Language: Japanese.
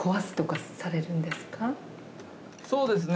そうですね。